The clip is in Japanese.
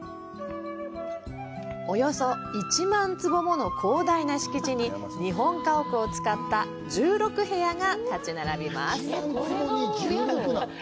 およそ１万坪もの広大な敷地に日本家屋を使った１６部屋が立ち並びます。